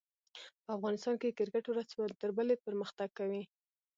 په افغانستان کښي کرکټ ورځ تر بلي پرمختګ کوي.